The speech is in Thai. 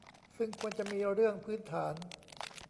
ซึ่งควรจะมีเรื่องพื้นฐาน